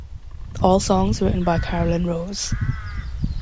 All songs written by Caroline Rose.